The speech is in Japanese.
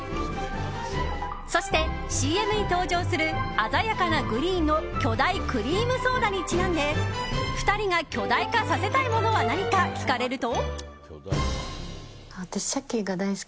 そして、ＣＭに登場する鮮やかなグリーンの巨大クリームソーダにちなんで２人が巨大化させたいものは何か聞かれると。